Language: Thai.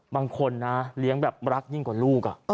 บางคนนะเลี้ยงแบบรักยิ่งกว่าลูก